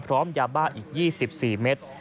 พร้อมยาบ้าอีก๒๔เมตร